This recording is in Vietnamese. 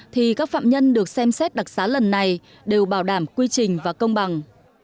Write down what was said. thì các phạm nhân được xem xét đặc xá lần này đều bảo đảm quy trình và công bằng